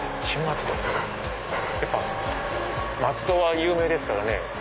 やっぱ松戸は有名ですからね。